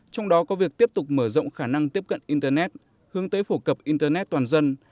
trong đó có việc tiếp tục mở rộng khả năng tiếp cận internet hướng tới phổ cập internet toàn dân